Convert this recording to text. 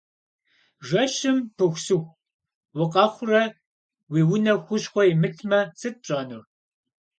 Жэщым пыхусыху укъэхъурэ уи унэ хущхъуэ имылъмэ, сыт пщӏэнур?